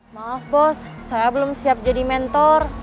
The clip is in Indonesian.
maaf bos saya belum siap jadi mentor